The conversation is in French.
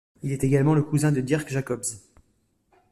Il est également le cousin de Dirck Jacobsz.